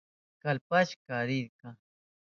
Kallpashpa rirka.